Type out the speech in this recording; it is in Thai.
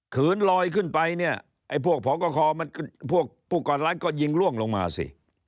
ขืนลอยขึ้นไปเนี่ยไอ้พวกพคมันก็พวกปุกรรณรัฐก็ยิงร่วงลงมาสิ